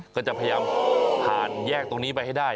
ก็จะพยายามผ่านแยกตรงนี้ไปให้ได้